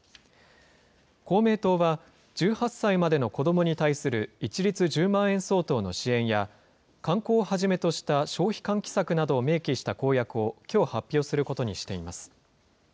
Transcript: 公明党は、１８歳までの子どもに対する一律１０万円相当の支援や、観光をはじめとした消費喚起策などを明記した公約をきょう発表することにしています。